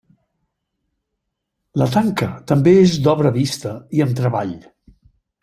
La tanca també és d'obra vista i amb treball.